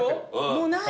もうない？